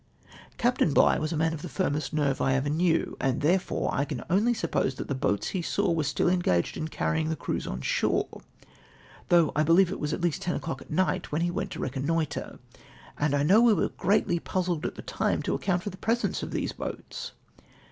" Captain Bligh was a man of the firmest nerve I ever knew, and therefore I can only suppose that the boats he saw were still engaged carrying the crews on shore, though I believe it was at least ten o'clock at night when he went to reconnoitre, and I know Ave were greatly puzzled at the time to account for the presence of these boats.